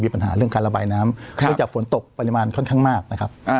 ปัญหาเรื่องการระบายน้ำเนื่องจากฝนตกปริมาณค่อนข้างมากนะครับ